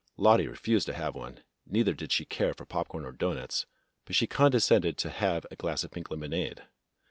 Lottie refused to have one, neither did she care for popcorn or doughnuts, but she condescended to have a glass of pink lemonade.